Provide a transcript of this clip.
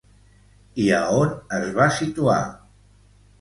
I a on es va situar?